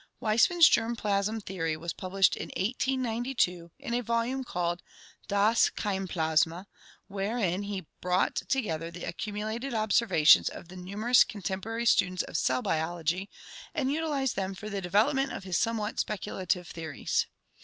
— Weismann's germ plasm theory was published in 1892 in a volume called Das Keimplasma, wherein he brought together the accumulated observations of the numerous contemporary students of cell biology and utilized them for the development of his somewhat speculative theories.